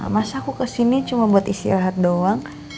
masa aku kesini cuma buat istirahat doang